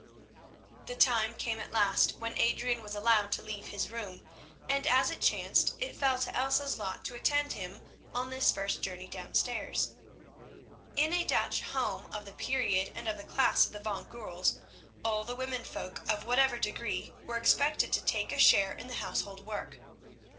The time came at last when Adrian was allowed to leave his room, and as it chanced it fell to Elsa's lot to attend him on this first journey downstairs. In a Dutch home of the period and of the class of the Van Goorl's, all the women folk of whatever degree were expected to take a share in the household work.